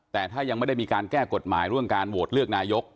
แต่ถ้ายังไม่ได้มีการแก้กฎหมายเรื่องการโหวตเลือกนายก